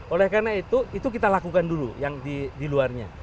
oleh karena itu itu kita lakukan dulu yang di luarnya